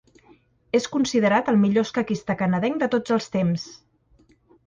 És considerat el millor escaquista canadenc de tots els temps.